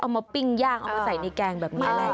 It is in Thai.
มาปิ้งย่างเอามาใส่ในแกงแบบนี้แหละ